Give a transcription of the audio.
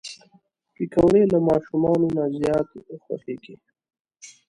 پکورې له ماشومانو نه زیات خوښېږي